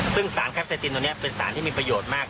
ซึ่งสารแคปเตตินตัวนี้เป็นสารที่มีประโยชน์มาก